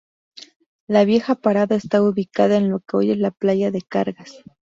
La vieja parada estaba ubicada en lo que hoy es la playa de cargas.